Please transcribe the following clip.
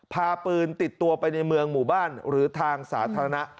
พาปืนติดตัวไปในเมืองหมู่บ้านหรือทางสาธารณะ